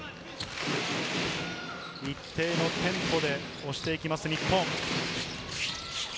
一定のテンポで押していきます、日本。